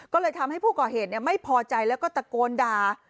ก็เลยทำให้ผู้ก่อเหตุไม่พอใจแล้วก็ตะโกนด่า